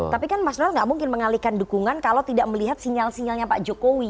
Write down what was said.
tapi kan mas donald nggak mungkin mengalihkan dukungan kalau tidak melihat sinyal sinyalnya pak jokowi